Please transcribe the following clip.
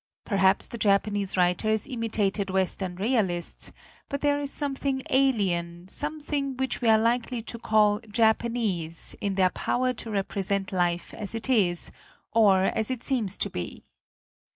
Perhaps the Japanese writers imitated Western realists, but there is something alien, something which we are likely to call Japanese, in their power to represent life as it is, or as it seems to be.